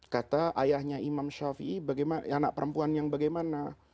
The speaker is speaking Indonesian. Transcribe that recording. kata ayahnya imam shafi tuhan anak perempuan yang bagaimana